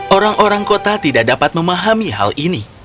orang orang kota tidak dapat memahami hal ini